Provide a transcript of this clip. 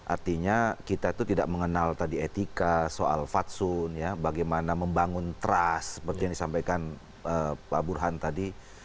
artinya kita itu tidak mengenal tadi etika soal fatsun bagaimana membangun trust seperti yang disampaikan pak burhan tadi